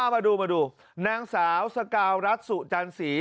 มาดูมาดูนางสาวสกาวรัฐสุจันสี